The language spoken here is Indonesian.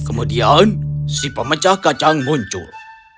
kemudian si pemecah kacang muncul